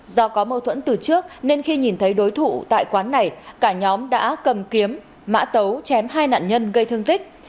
do có mâu thuẫn từ trước nên khi nhìn thấy đối thủ tại quán này cả nhóm đã cầm kiếm mã tấu chém hai nạn nhân gây thương tích